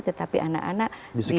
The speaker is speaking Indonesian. tetapi anak anak di